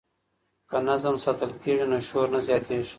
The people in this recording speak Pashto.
که نظم ساتل کېږي نو شور نه زیاتېږي.